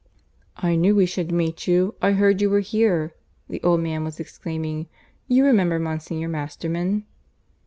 "I knew we should meet. I heard you were here," the old man was exclaiming. "You remember Monsignor Masterman?"